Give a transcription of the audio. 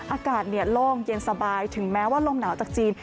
อากาศโล่งเย็นสบายถึงแม้ว่าลมหนาวจากจีน